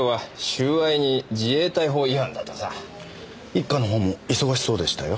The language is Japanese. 一課の方も忙しそうでしたよ。